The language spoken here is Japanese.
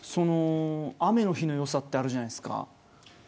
雨の日の良さってあるじゃないですか。